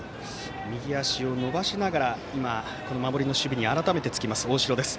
右足を伸ばしながら守りの守備へ改めてつく大城です。